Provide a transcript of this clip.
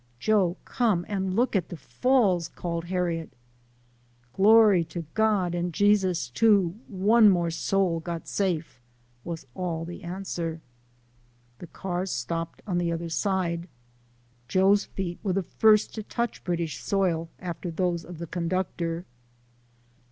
" Joe, come and look at de Falls !" called Har riet. " Glory to God and Jesus too, One more soul got safe." was all the answer. The cars stopped on the other side. Joe's feet were the first to touch British soil, after those of the conductor.